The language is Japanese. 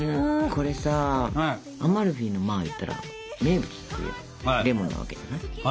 これさアマルフィのまあ言ったら名物といえばレモンなわけじゃない？